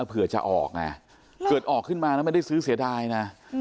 เผื่อจะออกไงเกิดออกขึ้นมาแล้วไม่ได้ซื้อเสียดายนะ